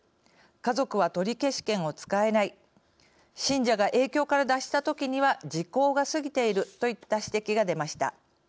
家族は取消権を使えない信者が影響から脱した時には時効が過ぎているといった指摘が出ました。